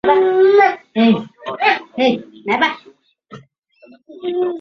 中方将为从坦桑尼亚采购的不足额部分支付现金。